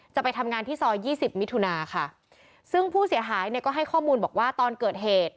จะไปทำงานที่ซอยยี่สิบมิถุนาค่ะซึ่งผู้เสียหายเนี่ยก็ให้ข้อมูลบอกว่าตอนเกิดเหตุ